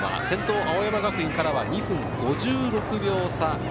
先頭、青山学院からは２分５６秒差。